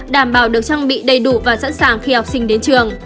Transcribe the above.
đảm bảo được trang bị đầy đủ và sẵn sàng khi học sinh đến trường